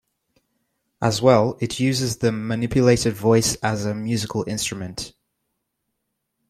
As well, it uses the manipulated voice as a musical instrument.